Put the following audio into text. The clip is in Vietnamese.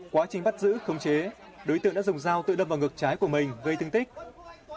quá trình bắt giữ khống chế đối tượng đã dùng dao tự đâm vào ngược trái của mình gây thương tích